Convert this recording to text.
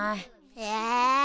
え！